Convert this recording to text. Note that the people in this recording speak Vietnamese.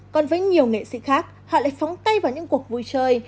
còn với nhiều nghệ sĩ khác họ lại phóng tay vào những cuộc vui chơi